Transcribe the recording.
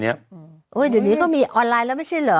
เดี๋ยวนี้ก็มีออนไลน์แล้วไม่ใช่เหรอ